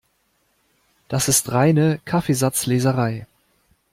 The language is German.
Das ist reine Kaffeesatzleserei.